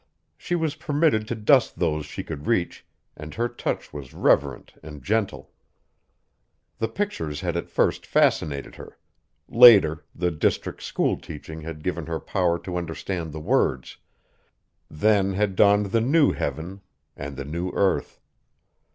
She was permitted to dust those she could reach, and her touch was reverent and gentle. The pictures had at first fascinated her; later, the district school teaching had given her power to understand the words; then had dawned the new heaven and the new earth.